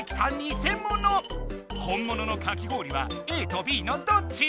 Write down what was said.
本もののかき氷はＡとＢのどっち？